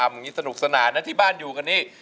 อย่างนี้สนุกสนานนะที่บ้านอยู่กันนี่